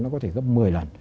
nó có thể gấp một mươi lần